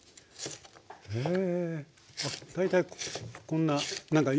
へえ。